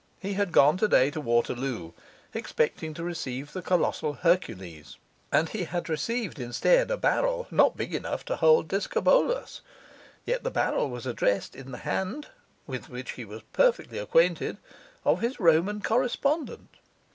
He had gone today to Waterloo, expecting to receive the colossal Hercules, and he had received instead a barrel not big enough to hold Discobolus; yet the barrel was addressed in the hand (with which he was perfectly acquainted) of his Roman correspondent.